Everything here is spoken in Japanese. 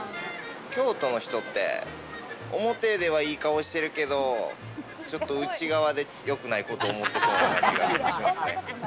京都の人って、表ではいい顔してるけど、ちょっと内側でよくないことを思ってそうな感じがしますね。